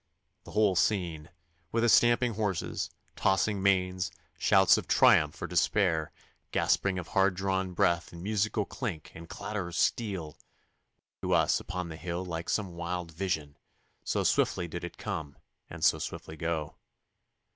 The whole scene, with the stamping horses, tossing manes, shouts of triumph or despair, gasping of hard drawn breath and musical clink and clatter of steel, was to us upon the hill like some wild vision, so swiftly did it come and so swiftly go.